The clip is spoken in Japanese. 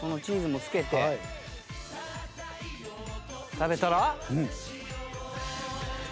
食べたら？